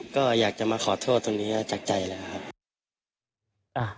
ก็อยากจะมาขอโทษตรงนี้จากใจเลยครับ